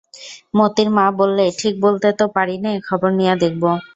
মোতির মা বললে, ঠিক বলতে তো পারি নে, খবর নিয়ে দেখব।